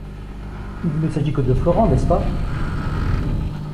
Il ne s’agit que de Florent, n’est-ce pas ?